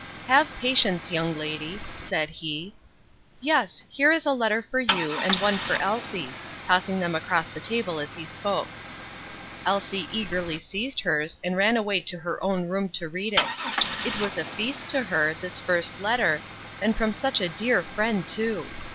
"Have patience, young lady," said he. "Yes, here is a letter for you, and one for Elsie," tossing them across the table as he spoke. Elsie eagerly seized hers and ran away to her own room to read it. It was a feast to her, this first letter, and from such a dear friend, too.